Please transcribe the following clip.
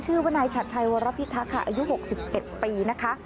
ชื่อว่านายชัดชัยวรพิทักษ์อายุ๖๑ปี